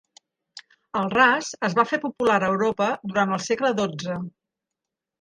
El ras es va fer popular a Europa durant el segle XII.